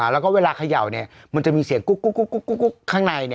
แล้วก็เวลาเขย่านี่มันจะมีเสียงคึกข้างในเนี่ย